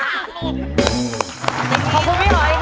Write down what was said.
นักใจแทนชาดำมากเลยค่ะ